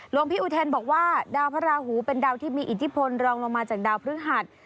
หลวงพี่อุเทนบอกว่าดาวพระราหูเป็นดาวที่มีอิทธิพลรองลงมาจากดาวพฤหัส